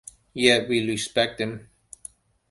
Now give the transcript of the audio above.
Yet we respect them.